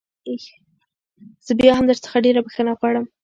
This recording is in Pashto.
زه بيا هم درڅخه ډېره بخښنه غواړم.